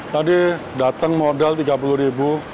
tadi datang modal rp tiga puluh